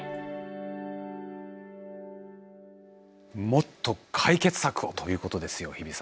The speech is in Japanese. もっと解決策をということですよ日比さん。